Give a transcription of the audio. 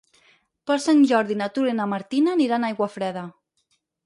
Per Sant Jordi na Tura i na Martina aniran a Aiguafreda.